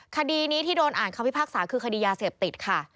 คดีนี้ที่โดนอ่านคำพิพากษาคือคดียาเสพติดค่ะ